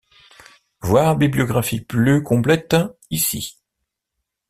Voir bibliographie plus complète ici.